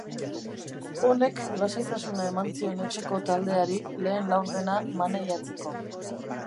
Honek lasaitasuna eman zion etxeko taldeari lehen laurdena maneiatzeko.